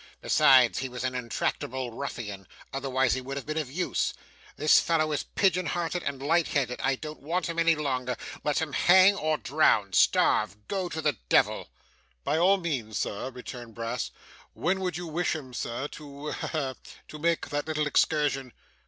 Besides, he was an intractable ruffian; otherwise he would have been of use. This fellow is pigeon hearted and light headed. I don't want him any longer. Let him hang or drown starve go to the devil.' 'By all means, sir,' returned Brass. 'When would you wish him, sir, to ha, ha! to make that little excursion?